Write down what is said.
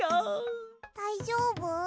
だいじょうぶ？